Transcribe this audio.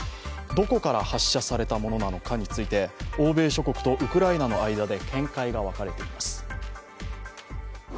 どこから発射されたものなのかについて欧米諸国とウクライナの間で見解が分かれています。